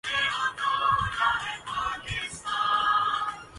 روم mountain biking کے عالمی مقابلوں میں ماہر رائیڈرز کی شرکت